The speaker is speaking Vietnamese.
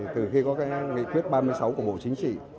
từ khi có nghị quyết ba mươi sáu của bộ chính trị